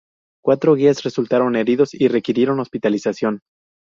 Cuatro guías resultaron heridos y requirieron hospitalización.